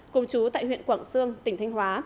cùng chú tại huyện quảng sương tỉnh thanh hóa